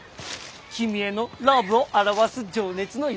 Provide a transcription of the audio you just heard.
君へのラブを表す情熱の色。